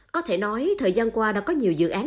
có thể nói thời gian qua đã có nhiều dự án